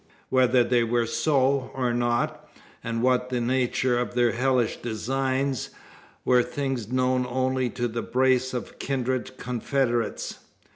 Whether they were so, or not, and what the nature of their hellish designs, were things known only to the brace of kindred confederates.